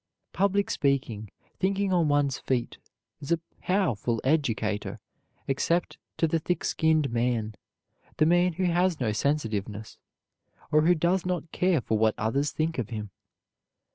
Public speaking thinking on one's feet is a powerful educator except to the thick skinned man, the man who has no sensitiveness, or who does not care for what others think of him.